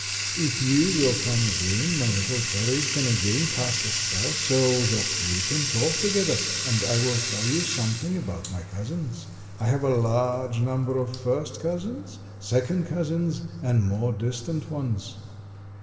If you will come again my little fairies can again cast a spell so that we can talk together, and I will tell you something about my cousins. I have a large number of first cousins, second cousins, and more distant ones.